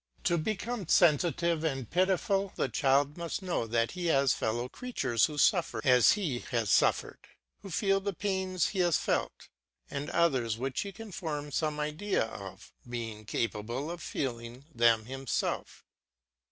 To become sensitive and pitiful the child must know that he has fellow creatures who suffer as he has suffered, who feel the pains he has felt, and others which he can form some idea of, being capable of feeling them himself.